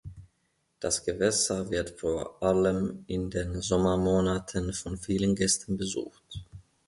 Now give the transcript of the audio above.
Das Gewässer wird vor allem in den Sommermonaten von vielen Gästen besucht.